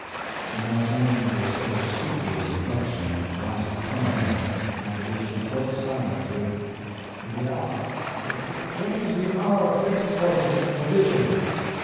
He now sank into a sort of stupor of reflection, which lasted some minutes; after which he broke silence with: "The hour what is the hour fixed for the collision?"